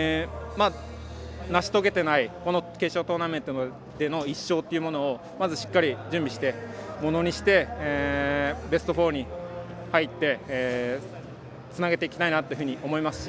成し遂げていない決勝トーナメントでの１勝というものをまず、しっかり準備してものにしてベスト４に入ってつなげていきたいなというふうに思いますし